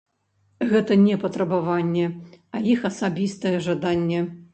Гэта не патрабаванне, а іх асабістае жаданне.